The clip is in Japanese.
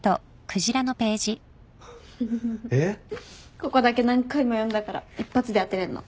ここだけ何回も読んだから一発で開けれんの。